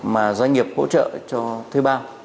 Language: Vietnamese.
mà doanh nghiệp hỗ trợ cho thư bao